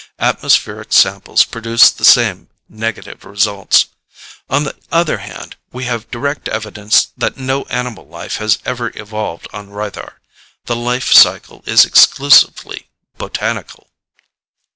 Atmospheric samples produce the same negative results. On the other hand, we have direct evidence that no animal life has ever evolved on Rythar; the life cycle is exclusively botanical."